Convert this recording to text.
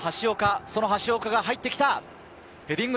その橋岡が入ってきた。